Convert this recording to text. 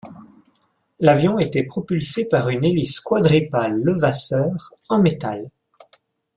L'avion était propulsé par une hélice quadripale Levasseur en métal.